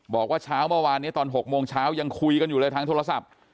บอกว่าเช้าเมื่อวานนี้ตอน๖โมงเช้ายังคุยกันอยู่เลยทางโทรศัพท์